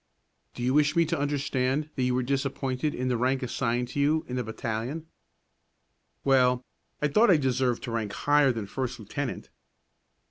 "Do you wish me to understand that you were disappointed in the rank assigned to you in the battalion?" "Well, I thought I deserved to rank higher than first lieutenant."